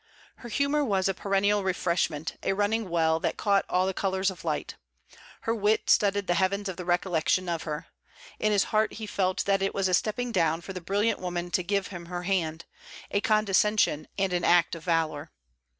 Her humour was a perennial refreshment, a running well, that caught all the colours of light; her wit studded the heavens of the recollection of her. In his heart he felt that it was a stepping down for the brilliant woman to give him her hand; a condescension and an act of valour.